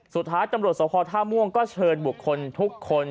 สุดท้ายตำรวจสภท่าม่วงก็เชิญบุคคลทุกคน